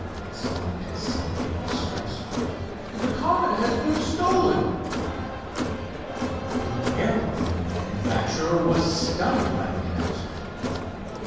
exclaimed his son, in distress, "the Comet has been stolen!" The aeroplane manufacturer was stunned by the announcement.